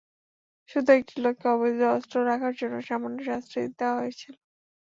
শুধু একটি লোককে অবৈধ অস্ত্র রাখার জন্য সামান্য শাস্তি দেওয়া হয়েছিল।